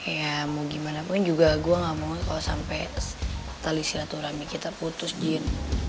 ya mau gimana pun juga gue gak mau kalau sampai tali silaturahmi kita putus jin